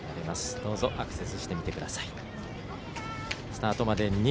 どうぞアクセスしてみてください。